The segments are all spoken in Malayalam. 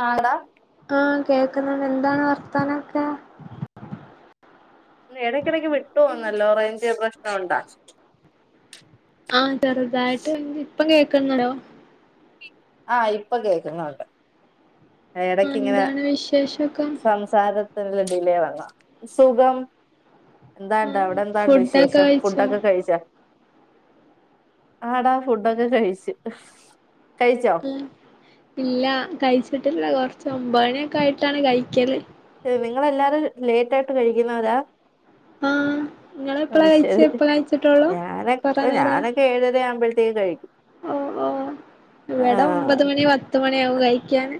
ആഹ് ട. ആഹ് കേൾക്ക്ന്നത് എന്താണ് വർത്താനൊക്കെ? എടയ്ക്കെടയ്ക്ക് വിട്ടുപോവുന്നല്ലോ റേഞ്ച് പ്രശ്നം ഉണ്ടാ? ആഹ് ചെറുതായിട്ട് ഇപ്പം കേക്കുന്നുണ്ടോ. ആഹ് ഇപ്പ കേക്കുന്നുണ്ട്. ആഹ് എടക്കിങ്ങനെ എന്താണ് വിശേഷൊക്കെ സംസാരത്തിൽ ഡിലേ വന്നാ സുഖം. എന്താണ്ട് ആഹ് അവിടെന്താണ്ട് ഫുഡൊക്കെ വിശേഷം കഴിച്ചോ ഫുഡൊക്കെ കഴിച്ച. ആടാ ഫുഡൊക്കെ കഴിച്ച് കഴിച്ചോ? ഇല്ല കഴിച്ചിട്ട്ല്ല കൊർച്ച് ഒമ്പണ്യൊക്കയിട്ടാണ് കഴിക്ക്യല്. ഏഹ് നിങ്ങളെല്ലാരും ലേറ്റായിട്ട് കഴിക്ക്യുന്നവരാ? ആഹ്. ങ്ങളെപ്പളാ കഴിച്ച ശരി പ്പ കഴിച്ചിട്ടള്ളൂ ഞാനൊക്കെ കൊറെനേരായൊ. ഞാനൊക്കെ ഏഴര ആവുമ്പോഴത്തേക്ക് കഴിക്കും ഓ ഓ ഇവിടെ ആഹ് ഒമ്പത് മണി പത്ത് മണ്യാവും കഴിക്ക്യാന്.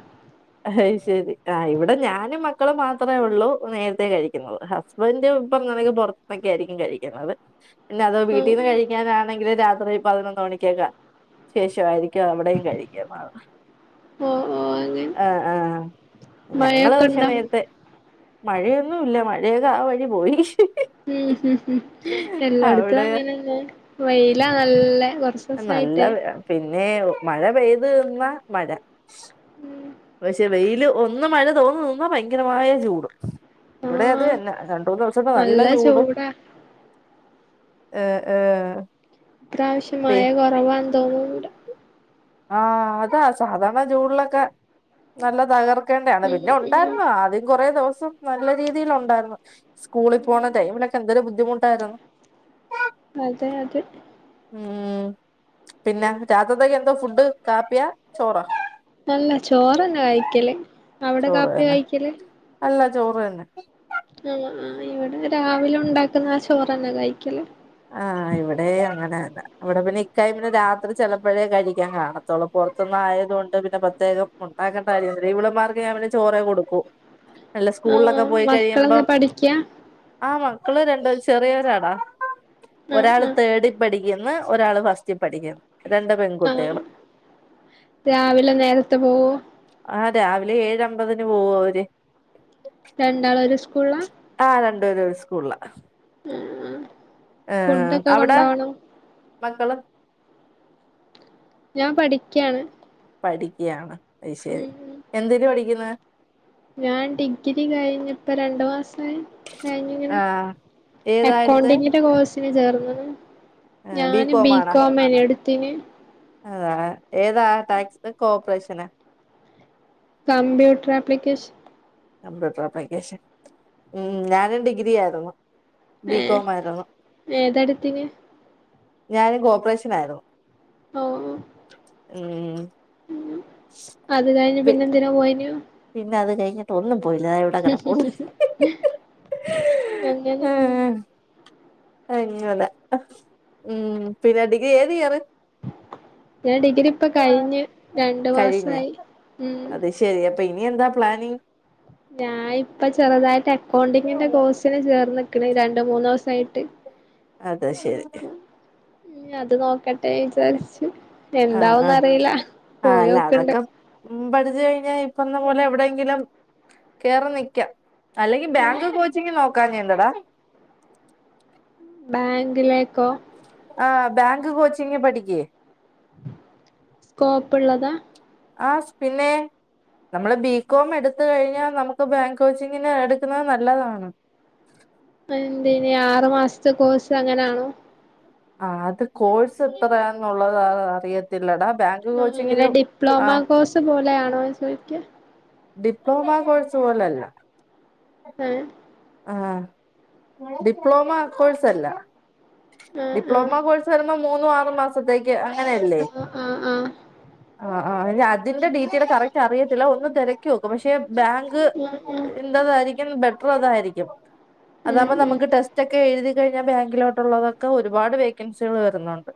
അയ് ശരി ആ ഇവിടെ ഞാനും മക്കളും മാത്രേ ഉള്ളൂ നേരത്തെേ കഴിക്കുന്നത് ഹസ് - വന്റ് ഇപ്പന്നാണെങ്കി പൊർത്ത്ന്നൊക്കേയിരിക്കും കഴിക്ക്യുന്നത് പിന്നതോ ഓഹ് വീട്ടീന്ന് കഴി ക്ക്യാനാണെങ്കില് രാത്രി പതിനൊന്ന് മണിക്ക്യൊക്ക ശേഷവായിരിക്ക്യു അവിടെയും കഴിക്ക്യുന്നത്. ഓ ഓ അങ്ങൻ. ആഹ് ആഹ് ഞങ്ങള് വഷെ ഉണ്ടോ നേര്ത്തെ. മഴയൊന്നുല്ല മഴയൊക്കെ ആ വഴി പോയി. ഉം ഉം എല്ലോട്ത്തു അവിടെ അങ്ങനെന്നെ വെയിലാ നല്ല കൊർച്ച്. നല്ല വെ പിന്നേ മഴ പെയ്ത് നിന്നാ മഴ. ഉം. പക്ഷെ വെയില് ഒന്ന് മഴ തോന്നു നിന്നാ ഭയങ്കരമായ ചൂടും. വടെ അത് ആഹ് തന്ന രണ്ട് മൂന്ന് ദിവസത്തെ നല്ല ചൂടും. ഏഹ് ഏഹ്. പ്രാവശ്യം പി മഴ കൊറവാന്തോന്നുന്നുണ്ട്. ആഹ് അതാ സാധാര്ണ ജൂൺലൊക്കെ നല്ല തകർ ക്കണ്ട്യാണ് ഇവിടെ പിന്നെ ഉം ഉണ്ടായിര്ന്നു ആദ്യം കൊറേ ദിവസം നല്ല രീതിയിൽ ഉണ്ടായിര്ന്നു. സ്കൂളി ഉം പോണതെ ഇവ്ടെക്കേ എന്തൊരു ബുദ്ധിമുട്ടായിരുന്നു അതെ അതെ ഉം പിന്നെ രാതിത്തേക്ക് എന്തുവാ ഫുഡ് കാപ്പിയാ ചോറാ നല്ല ചോറ് തന്നെ കഴിക്കല് അവിടെ ചോറ് കാപ്പിയാ തന്നെ കഴിക്കല് അല്ല ചോറ് തന്നെ എല്ലേ ഇവിടെ രാവിലെ ഉണ്ടാക്കുന്ന ആ ചോറ് തന്നെയാ കഴിക്കല് ആഹ് ഇവിടെയും അങ്ങനെ തന്നാ ഇവിടെ പിന്നെ ഇക്കായ് പിന്നെ രാത്രി ചിലപ്പോഴേ കഴിക്കാൻ കാണ ത്തോളു പുറത്ത്ന്ന് ആയതുകൊണ്ട് പിന്നെ പ്രത്യേകം ഉണ്ടാക്കേണ്ട കാര്യംമില്ല ഇവളുമാർക്ക് ഞാൻ ചോറേ കൊടുക്കു അല്ല ആഹ് സ്കൂളിലൊക്കെ പോയി മക്കളെന്താ കഴിയുമ്പം പഠിക്കാ ആ മക്കള് രണ്ട് ചെറിയവരാടാ ആഹ് ഒരാള് ആഹ് തേർഡി പഠിക്കുന്ന് ഒരാള് ഫസ്റ്റിൽ പഠിക്കുന്ന് രണ്ട് പെൺകുട്ടികൾ ആഹ് രാവിലെ നേരത്തെ പോവോ ആഹ് രാവിലെ ഏഴ് അമ്പതിന് പോവും അവര് രണ്ടാള് ഒരു സ്കൂളിലാ ആഹ് രണ്ടുപേരും ഒര് സ്കൂളിലാ ആഹ് ആഹ് ഏഹ് ഫുഡൊക്കെ അവ്ടെ കൊണ്ടോവണോ മക്കള് ഞാൻ പഠിക്കയാണ് പഠിക്കുകയാണ് അത് ശരി ഉം എന്തിന് പഠിക്കന്ന് ഞാൻ ഡിഗ്രി കഴിഞ്ഞിപ്പം രണ്ട് മാസമായി കഴിഞ്ഞ് ഇങ്ങനെ ആ ഏതാ എടുത്തെ അക്കൗണ്ടിങ്ങിന്റെ കോഴ്സ് ഇന് ചേർന്ന്ന് ഞാനു ബികോം ആണ് എടുത്തിന് അഹ് ഏതാ ടാക്സ് കോപ്പറേഷനാ കമ്പ്യൂട്ടർ അപ്ലിക്കേഷൻ കമ്പ്യൂട്ടർ അപ്ലിക്കേഷൻ ഉം ഞാനും ഡിഗ്രി ആയിരുന്നു ഏഹ് ബികോം ആയിരുന്നു ഏതാട്ത്തിന് ഞാനും കോപ്പറേഷൻ ആയിരുന്നു ഓ ഉം അത് കഴിഞ്ഞ് പി പിന്നെ എന്തിനാ പോയിനു പിന്നെ അത് കഴിഞ്ഞ് ട്ടൊന്നും പോയില്ല ഇവിടെ കിടപ്പുണ്ട് അങ്ങനെ അങ്ങല്ലെ ഉം പിന്നെ ഡിഗ്രി ഏത് ഇയറ് ഞാൻ ഡിഗ്രി ഇപ്പൊ കഴിഞ്ഞ് രണ്ട് മാസായി ഉം ശരി അപ്പൊ ഇനി എന്താ പ്ലാനിങ്ങ് ഞാൻ ഇപ്പം ചെറുതായിട്ട് അക്കൗണ്ടിങ്ങിന്റെ കോഴ്സിന് ചേർന്ന്ക്കണ് രണ്ട് മൂന്നൊസോ തായിട്ട് അത് ശരി അത് നോക്കട്ടെ വിചാരിച്ച് ആ ആ എന്താവന്ന് അറിയില്ല ആ അല്ല പോയിക്ക്ണ്ട് അതൊക്കെ ഉം പഠിച്ചു കഴിഞ്ഞാൽ ഇപ്പം നമ്മല് എവിടെയെങ്കിലും കേറി നിൽക്കാം അല്ലെങ്കി ഉം ബാങ്ക് കോച്ചിങ്ങ് നോക്കാഞ്ഞെ എന്തെടാ ബാങ്കിലേക്കോ ആഹ് ബാങ്ക് കോച്ചിങ്ങ് പഠിക്ക് സ്കോപ്പ് ഉള്ളതാ ആഹ് സ്പിന്നെ നമ്മള് ബികോം എടുത്ത് കഴിഞ്ഞാ നമ്മുക്ക് ബാങ്ക് കോച്ചിങ്ങിന് എടുക്കുന്നത് നല്ലതാണ് അത് എന്തെനി ആറു മാസത്തെ കോഴ്സ് അങ്ങനെയാണോ ആഹ് അത് കോഴ്സ് എത്രയാന്നുള്ളത് അത് അറിയത്തില്ലടാ ബാ ആഹ് ഇങ്ങനെ ഡിപ്ലോമ കോഴ്സ് പോലെയാണോന്ന് ചോയിക്ക ഡിപ്ലോമ കോഴ്സ് പോലല്ല ഏഹ് ആഹ് ഡിപ്ലോമ കോഴ്സ് അല്ല ആ ആ ഡിപ്ലോമ കോഴ് വരുമ്പോ മൂന്നും ആറും മാസത്തേക്ക് അങ്ങനെയല്ലേ ആ ആ ആ ആഹ് ആഹ് എനി അതിന്റെ ഡീറ്റെയിൽ കറക്റ്റ് അറിയത്തില്ല ഒന്ന് തിരക്കി നോക്ക് പക്ഷെ ബാങ്ക് മം മം [unintelligible] ബെറ്റർ അതായിരിക്കും ഉം അതാവുമ്പോ ഉം നമ്മക്ക് ടെസ്റ്റ് സ്റ്റ് ഒക്കെ എഴുതി കഴിഞ്ഞാ ബാങ്കിലോട്ട് ഉള്ളതൊക്കെ ഒരുപാട് വേക്കൻസികള് വരുന്നുണ്ട്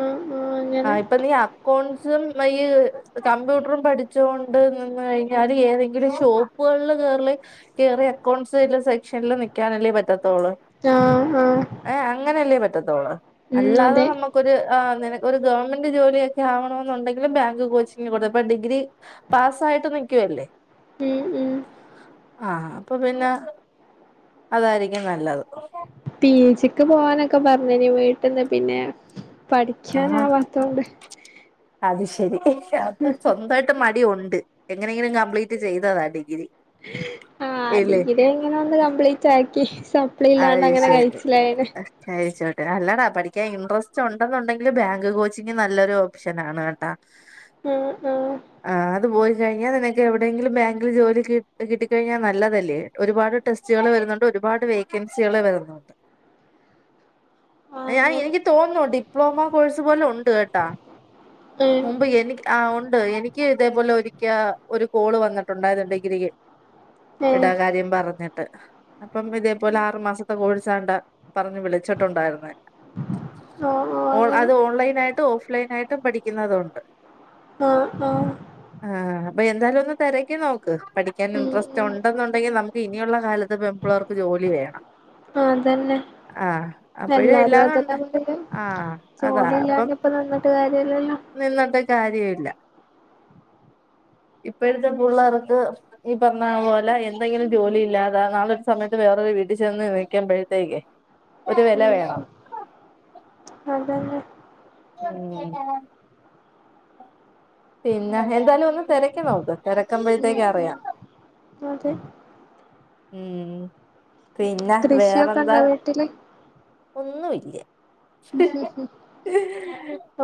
ആ ആ അങ്ങനെ ആഹ് ഇപ്പം നീ ആ കോൺസും [unintelligible] കമ്പ്യൂട്ടറും പഠിച്ചോണ്ട് നിന്ന് കഴിഞ്ഞാല് ഏതെങ്കിലും ഷോപ്പ [unintelligible] കേറല് കേറിയാ അക്കൗണ്ട്സ് [unintelligible] സെക്ഷനില് നിക്കാനല്ലേ പറ്റത്തോള് ആഹ് ആഹ് ഏഹ് അങ്ങനല്ലേ പറ്റത്തോള് അല്ലാതെ അതെ നമ്മ ക്കൊരു ആഹ് നിനക്കൊരു ഗവൺമെന്റ് ജോലിയൊക്കെ ആവണോന്നുണ്ടെങ്കില് ബാങ്ക് കോച്ചിങ്ങിന് കൊടു ഇപ്പൊ ഡിഗ്രി പാസ്സായിട്ട് നിക്കുവല്ലേ മം മം ആഹ് അപ്പം പിന്നെ അതായിരിക്കും നല്ലത് പി ജിക്ക് പോകാനൊക്കെ പറഞ്ഞനി വീട്ടിന്ന് പിന്നെ ആഹ് പഠിക്കാനാവാത്തോണ്ട് അത് ശരി അപ്പം സ്വന്താവായി ട്ട് മടി ഉണ്ട് എങ്ങനെങ്കിലും കംപ്ലീറ്റ് ചെയ്തതാ ഡിഗ്രി ആഹ് ഇല്ലേ ഡിഗ്രി അങ്ങനെ ഒന്ന് കംപ്ലീറ്റ് ആക്കി സപ് സപ്ലി അത് ഇല്ലാണ്ട് അങ്ങനെ ശരി കഴിച്ചിലായിനേ കഴിച്ചോട്ടെ അല്ലടാ പഠിക്കാൻ ഇൻട്രസ്റ്റ് ഉണ്ടെന്നുണ്ടെങ്കില് ബാങ്ക് കോച്ചിംഗ് നല്ലൊരു ഓപ്ഷൻ ആണ് കേട്ടാ മം മം ആഹ് അത് പോയി കഴിഞ്ഞാ നിനക്ക് എവിടെയെങ്കിലും ബാങ്കില് ജോലി കിട്ട് കിട്ടി കഴിഞ്ഞാ നല്ലതല്ലേ ഒരുപാട് ടെസ്റ്റുകള് വരുന്നുണ്ട് ഒരുപാട് വേക്ക് ക്കൻസികള് വരുന്നുണ്ട് ഞാ അങ്ങനെ എനിക്ക് തോന്നുന്നുണ്ട് ഡിപ്ലോമ കോഴ്സ് പോലെ ഉണ്ട് കേട്ടാ ഉം മുമ്പ് എനിക്ക് ആഹ് ഉണ്ട് എനിക്ക് ഇതേപോലെ ഒരിക്കെ ഒരു കോള് വന്നിട്ടുണ്ടായിരുന്ന് ഡിഗ്രിക്ക് ഉം യിടാ കാര്യം പറഞ്ഞിട്ട് അപ്പം ഇതേ പോലെ ആറു മാസത്തെ കോഴ്സാണ്ടാ പറഞ്ഞ് വിളിച്ചിട്ടുണ്ടായിരുന്നേ ഓ ഓ ഓൺ അങ്ങനെ അത് ഓൺലൈനായിട്ടും ഓഫ്‌ലൈനായിട്ടും പഠിക്കുന്നതുണ്ട് മം മം ആഹ് അപ്പം എന്തായാലും ഒന്ന് തിരക്കി നോക്ക് പഠി ക്കാൻ ഉം ഇൻട്രസ്റ്റ് ഉം ഉണ്ടെന്നുണ്ടെങ്കി നമുക്ക് ഇനിയുള്ള കാലത്ത് പെൺപിള്ളേർക്ക് ജോലി വേണം ആഹ് അതന്നെ ആഹ് അപ്പഴ് എല്ലാരും എല്ലാതുണ്ട് അതെന്നെ [unintelligible] ആഹ് ജോലി ഇല്ലാണ്ട് ഇപ്പം നിന്നിട്ട് കാര്യവില്ലല്ലോ നിന്നട്ട് കാര്യവില്ല ഇപ്പഴത്തെ പുള്ളേർക്ക് ഈ പറഞ്ഞ പോലെ എന്തെങ്കിലും ജോലി ഇല്ലാതാ നാളെ ഒരു സമയത്ത് വേറെ റൊരു വീട്ടിച്ചെന്ന് നിൽക്കുമ്പഴ്ത്തേക്കെ ഒരു വില വേണം അതെന്നെ [unintelligible] പിന്നെ എന്താലും ഒന്ന് തിരക്കി നോക്ക് ഉം തിരക്കുമ്പോഴത്തേക്ക് ഉം അറിയാം അതെ ഉം ഉം പിന്നെ കൃഷിയൊക്കെ വേറെന്താ ഉണ്ടോ വീട്ടില് ഒന്നുമില്ല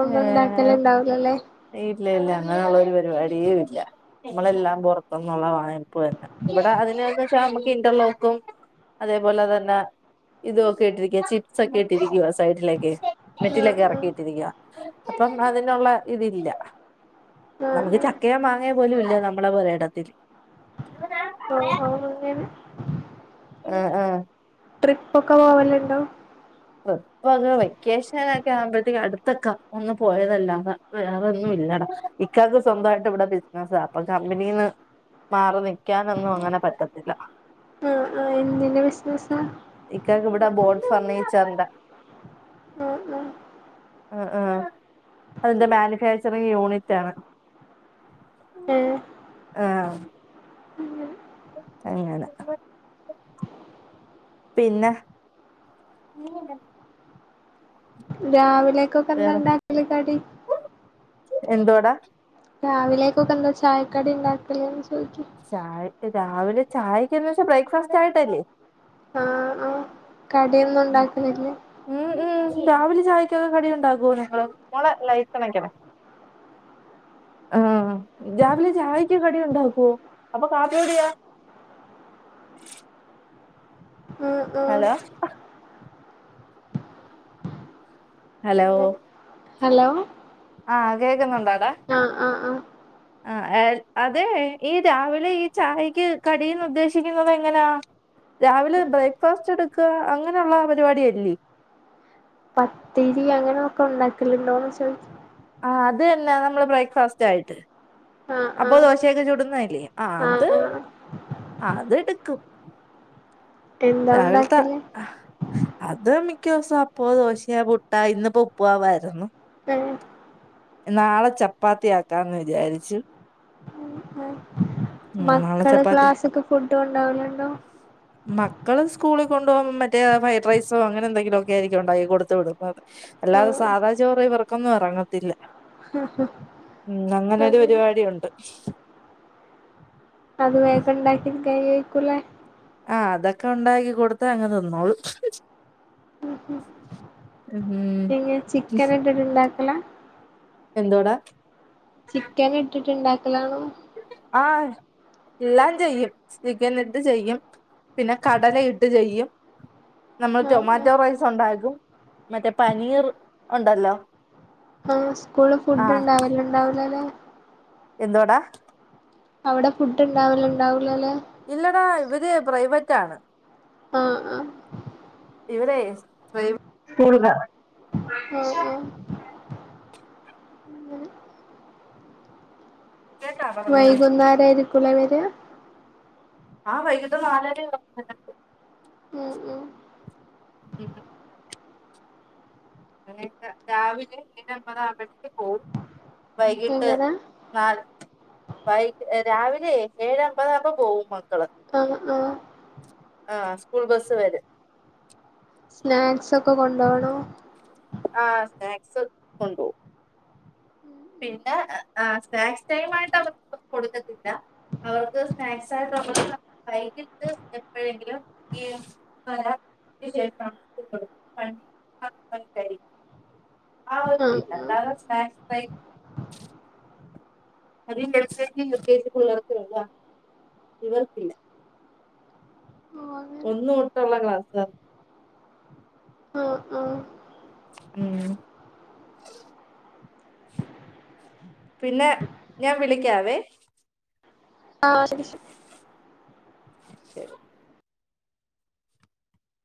ഒന്ന ഏഹ് ഉണ്ടാക്കലണ്ടാവലല്ലേ ഇല്ല ഇല്ല അങ്ങനെയള്ള ഒരു പരിപാടിയ ഇല്ല നമ്മളെല്ലാം പുൊറത്തുന്നുള്ള വായ്പ തന്നെ ഇവിടെ അതിനക്ക വെച്ചാൽ നമ്മുക്ക് ഇന്റർലോക്കും അതേപോലെ തന്നെ ഇതൊക്കെ ഇട്ടിരിക്കുക ചിപ്സ് ഒക്കെ ഇട്ടിരിക്കുവ സൈഡിലേക്കെ ആഹ് മേറ്റിലൊക്കെ ഇറക്കി ഇട്ടിരിക്കുവ അപ്പം അതിനുള്ള തില്ല ആഹ് ആഹ് നമുക്ക് ആഹ് ചക്കയോ മാങ്ങയോ പോലും ഇല്ല നമ്മൾടെ പുരയിടത്തിൽ ഓ ഓ അങ്ങനെ ആ ആ ട്രിപ്പോക്കെ പോവാല്ണ്ടോ ഇപ്പൊെ വെക്കേഷന ഒക്കെ ആവുമ്പോഴത്തേക്ക അടുത്തക്കാ ഒന്ന പോയതല്ലാത വേറെൊന്നും ഇല്ലടാ ഇക്കാക്ക് സ്വന്തായിട്ട് ഇവിടെ ബിസിനസാ അപ്പൊ കമ്പനിന്ന് മാറി നിക്കാനൊന്നും അങ്ങനെ പറ്റത്തില്ല ആ ആ എന്തിന്റെ ബിസിനസ്സാ ഇക്കാക്ക് ഇവിടെ ബോഡ് ഫർണിച്ചറിന്റെ ആഹ് ആഹ് ആ ആ അതിന്റെ മാനുഫാക്ചറിങ്ങ് യൂണിറ്റ് ആണ് ഏഹ് ആഹ അങ്ങന പിന്നെ ഉ്മ രാവിലെക്കൊക്കെ വേറെ എന്താണ്ടാക്കല് കടി എന്തുവാടാ രാവിലേക്കൊക്കെന്താ ചായക്കടി ണ്ടാക്കലേന്ന് ചോയ്ക്ക ചായാക്ക് രാവിലെ ചായക്കന്ന് വെച്ച ച്ച ബ്രേക്ക്ഫാസ്റ്റ് ആയിട്ടല്ലേ ആ ആ കടിയൊന്നും ഉണ്ടാക്കലില്ല ഉം ഉം രാവിലെ ചായക്കൊക്കെ കടിയോക്കേ ണ്ടാകുലേ നിങ്ങള് മോളെ ലൈറ്റ്ണക്കണെ ആഹ രാവിലെ ചായയ്ക്ക് കടിയുണ്ടാക്കുവോ അപ്പൊ കാപ്പിടിയോ ആഹ് ആഹ് ഹലോ ഹലോ അങ്ങനെ ഹലോ ആഹ് കേഗുന്നുണ്ടാടാ ആഹ് ആഹ് ആഹ് ആ അതെ ഈ രാവിലെ ഈ ചായക്ക് കടീന്ന് ഉദ്ദേശിക്കുന്നത് എങ്ങന രാവിലെ ബ്രേക്ക്ഫാസ്റ്റ് എടുക്കുക അങ്ങനെയുള്ള പരിപാടിയല്ലേ പത്തിരി അങ്ങനെൊക്കെ ഉണ്ടാക്കലുണ്ടോന്ന് ചോദിച്ച ആ അതന്നെ നമ്മള് ബ്രേക്ക്ഫാസ്റ്റ് ആയിട്ട് ആഹ് അപ്പൊ ആഹ് ദോശയൊക്കെ ചുടുന്നല്ലേ ആ ആഹ് അത് ആഹ് അത് എടുക്കും എന്താ രാവിലത്ത ഉണ്ടാക്കല് അത് മിക്ക ദിവസു അപ്പോ ദോശോ പുട്ടാ ഇന്നിപ്പോ ഉപ്പു മമായിരുന്നു പി നാളെ ചപ്പാത്തിയാക്കാന്ന് വിചാരിച്ചു ഉം നാളെ മക്കള് ചപ്പാത്തി ക്ലാസ്സിക്ക് ഫുഡ് കോണ്ടാവല്ണ്ടോ മക്കള് സ്കൂളി കൊണ്ടുപോകാൻ മറ്റേ ഫ്രൈഡ് റൈസോ അങ്ങനെ എന്തെങ്കിലുമോക്കെ ആയിരിക്കും ഉണ്ടാക്കി കൊടുത്തു വിടുന്നത് അല്ലാതെ ആഹ് സാധാ ചോറ് ഇവർക്കൊന്നും എറങ്ങത്തില്ല ഉം ഹ ഉം അങ്ങനോരു പരിപാടിണ്ട് അത് വേഗം ഉണ്ടാക്കി കൈയ്യേക്കൂലേ ആഹ് അതൊക്കെ ഒണ്ടാക്കി കൊടുത്ത അങ്ങെ തിന്നോളു ഉം പിന്നെ ചിക്കൻ എന്തങ്കിലും ഉണ്ടാക്കല എന്തോടാ?. ചിക്കന് ഇട്ടിട്ട് ണ്ടാക്കലണോ?. ആഹ ല്ലാം ചെയ്യും. ചിക്കനിട്ട് ചെയ്യും, പിന്നെ കടല ഇട്ട് ചെയ്യും. നമ്മള് ആഹ് ആഹ് ടൊമാറ്റോ റൈസ് ഒണ്ടാക്കും. മറ്റേ പനീർ ഒണ്ടല്ലോ? ആ സ്കൂള് ഫുഡ് ഉണ്ടാവലുണ്ടാവൂലല്ലോ?. എന്തുവാടാ? അവടെ ഫുഡ് ഇണ്ടാവല്ണ്ടാവൂലല്ലേ ഇല്ലടാ ഇവര് പ്രൈവറ്റ് ആണ് ആഹ് ആഹ് ഇവിടേ പ്രൈ കൂടുക ആഹ് ആഹ് അങ്ങനെ കേട്ടാ പറഞ്ഞത് വൈകുന്നേരം ആയിരിക്കുല്ലേ വെര്യാ ആഹ് വൈകീട്ട് നാലരെം [unintelligible] ഉം ഉം ഉം അങ്ങനക്കെ രാവിലെ എഴേ അമ്പതാകുമ്പോഴേക്ക് പോവും വൈകീട്ട് എങ്ങനെ നാല് വൈ രാവിലെ ഏഴെ അമ്പതാവുമ്പോ പോവും മക്കള് ആഹ് ആഹ് ആഹ് സ്കൂൾ ബസ് വരും സ്നാക്സൊക്കെ കൊണ്ടാേവണോ ആഹ് സ്നാക്സ് കൊണ്ടാേവും പിന്നെ ആഹ് സ്നാക്സ് ടൈമായിട്ട് അവർക്ക് കൊടുക്കത്തില്ല അവർക്ക് സ്നാക്സ് ആയിട്ട് [unintelligible] വൈകിട്ട് എപ്പഴെങ്കിലും ഈയ് പല [unintelligible] ആ ആഹ് ഒരുതില്ല ആഹ് അല്ലാതെ സ്നാക്സ് ടൈം അത് L K G U K G പുള്ളേർക്കുള്ളതാ ഇവർക്കില്ല ഓഹ് അങ്ങനെ ഒന്ന് തൊട്ടുള്ള ക്ലാസാ ആഹ് ആഹ് ഉം പിന്നെ ഞാൻ വിളിക്കാവേ ആഹ് ശരി ശരി ശരി